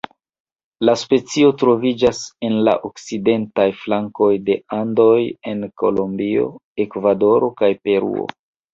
La specio troviĝas en la okcidentaj flankoj de Andoj en Kolombio, Ekvadoro kaj Peruo.